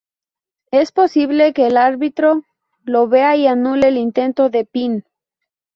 Es posible que el árbitro lo vea y anule el intento de pin.